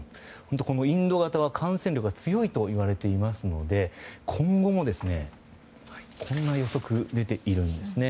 インド型は感染力が強いといわれていますので今後もこんな予測が出ているんですね。